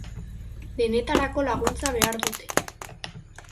Denetarako laguntza behar dute.